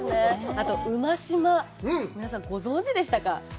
あと、馬島、皆さんご存じでしたか？